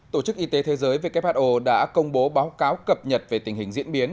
tổ chức y tế thế giới who đã công bố báo cáo cập nhật về tình hình diễn biến